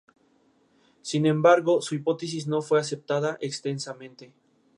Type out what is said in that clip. El álbum ha sido certificado como triple disco de platino en el Reino Unido.